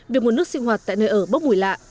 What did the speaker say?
việc nguồn nước sinh hoạt tại nơi ở bốc mùi lạ